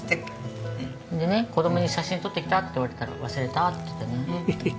でね子供に「写真撮ってきた？」って言われたら「忘れた」って言ってね。